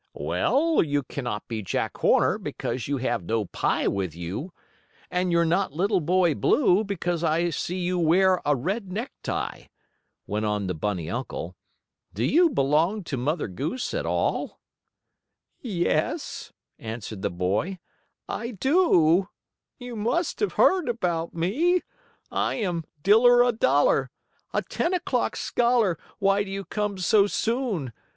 "Well, you cannot be Jack Horner, because you have no pie with you, and you're not Little Boy Blue, because I see you wear a red necktie," went on the bunny uncle. "Do you belong to Mother Goose at all?" "Yes," answered the boy. "I do. You must have heard about me. I am Diller a Dollar, a ten o'clock scholar, why do you come so soon?